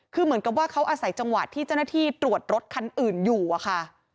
คือเหมือนกับว่าเขาอาศัยจังหวะที่เจ้าหน้าที่ตรวจรถคันอื่นอยู่อะค่ะ